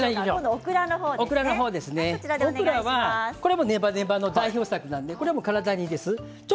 オクラもネバネバの代表作なので体にいいです。